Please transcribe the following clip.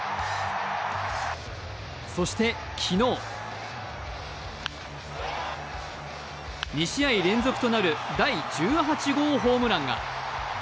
そして昨日２試合連続となる第１８号ホームランが。